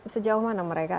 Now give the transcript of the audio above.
sejauh mana mereka